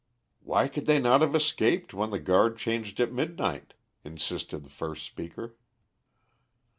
"Why could they not have escaped when the guard changed at midnight?" insisted the first speaker.